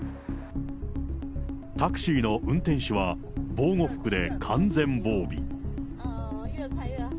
タクシーの運転手は、防護服で完全防備。